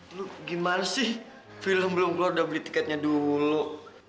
lu gimana sih film belum keluar udah beli tiketnya dulu